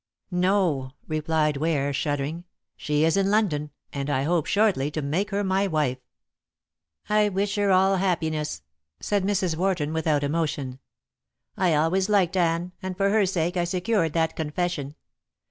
"No," replied Ware, shuddering; "she is in London, and I hope shortly to make her my wife." "I wish her all happiness," said Mrs. Wharton, without emotion. "I always liked Anne, and for her sake I secured that confession.